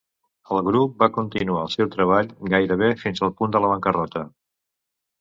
El grup va continuar el seu treball, gairebé fins al punt de la bancarrota.